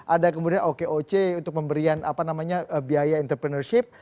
ada kemudian okoc untuk memberikan apa namanya biaya entrepreneurship